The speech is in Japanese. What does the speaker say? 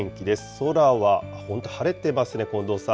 空は、本当、晴れてますね、近藤